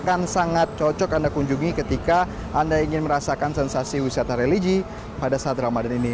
akan sangat cocok anda kunjungi ketika anda ingin merasakan sensasi wisata religi pada saat ramadhan ini